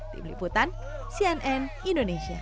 di beliputan cnn indonesia